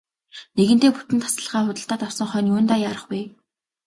Нэгэнтээ бүтэн тасалгаа худалдаад авсан хойно юундаа яарах вэ.